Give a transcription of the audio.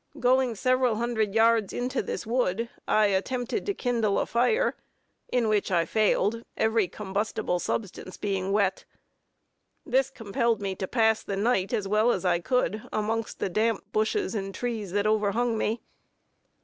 Going several hundred yards into this wood, I attempted to kindle a fire, in which I failed, every combustible substance being wet. This compelled me to pass the night as well as I could amongst the damp bushes and trees that overhung me.